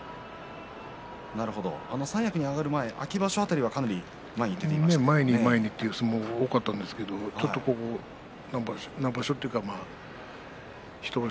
三役に上がる前秋場所辺りはかなり前に出てい前に前にという相撲が多かったんですけどここ何場所というか１場所